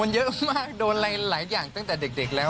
มันเยอะมากโดนอะไรหลายอย่างตั้งแต่เด็กแล้ว